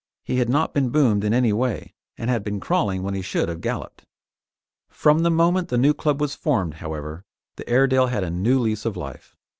He had not been boomed in any way, and had been crawling when he should have galloped. From the moment the new club was formed, however, the Airedale had a new lease of life.